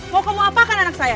mau kamu apakan anak saya